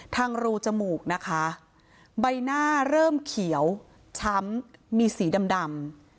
รูจมูกนะคะใบหน้าเริ่มเขียวช้ำมีสีดำ